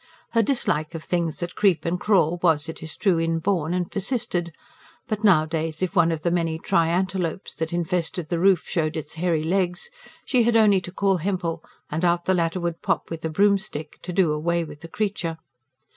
Her dislike of things that creep and crawl was, it is true, inborn, and persisted; but nowadays if one of the many "triantelopes" that infested the roof showed its hairy legs, she had only to call Hempel, and out the latter would pop with a broomstick, to do away with the creature.